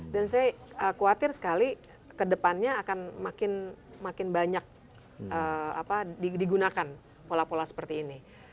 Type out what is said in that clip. dan saya khawatir sekali ke depannya akan makin banyak digunakan pola pola seperti ini